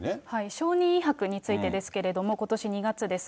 証人威迫についてですけれども、ことし２月です。